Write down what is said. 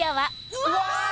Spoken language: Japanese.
うわ！